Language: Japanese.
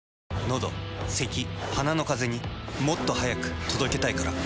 のどせき鼻のカゼにもっと速く届けたいから。